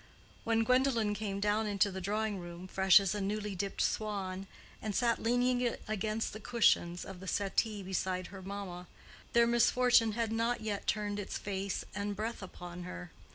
When Gwendolen came down into the drawing room, fresh as a newly dipped swan, and sat leaning against the cushions of the settee beside her mamma, their misfortune had not yet turned its face and breath upon her.